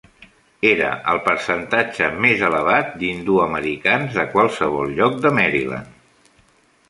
Era el percentatge més elevat d'hindú-americans de qualsevol lloc de Maryland.